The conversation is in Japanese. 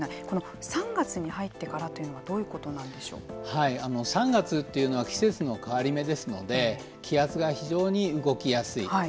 この３月に入ってからというのは３月というのは季節の変わり目ですので気圧が非常に動きやすい。